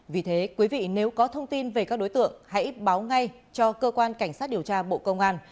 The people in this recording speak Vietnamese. vì thế quý vị nếu có thông tin về các đối tượng hãy báo ngay cho cơ quan cảnh sát điều tra bộ công an